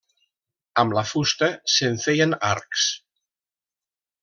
Amb la fusta se'n feien arcs.